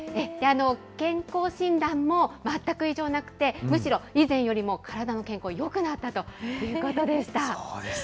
健康診断も全く異常なくて、むしろ以前よりも体の健康よくなったということでした。